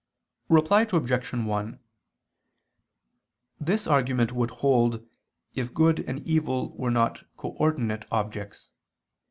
Reply Obj. 1: This argument would hold, if good and evil were not co ordinate objects.